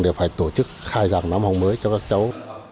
đều phải tổ chức khai giảng năm học mới cho các cháu